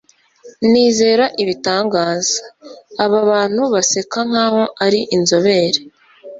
nizera ibitangaza; aba bantu baseka nkaho ari inzobere